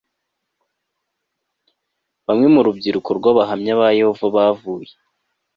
Bamwe mu rubyiruko rw Abahamya ba Yehova bavuye